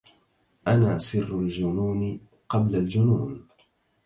أنا سر الجنون قبل الجنون